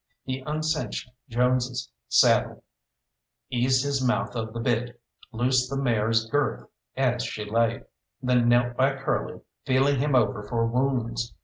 He uncinched Jones' saddle, eased his mouth of the bit, loosed the mare's girth as she lay, then knelt by Curly feeling him over for wounds.